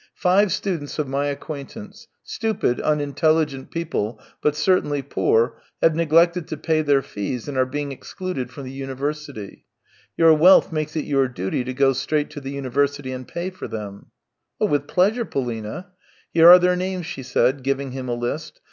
Five students of my acquaintance, stupid, unintelligent people, but certainly poor, have neglected to pay their fees, and are being excluded from the university. Your wealth makes it your duty to go straight to the university and pay for them." " With pleasure, Polina." " Here are their names." she said, giving him a list.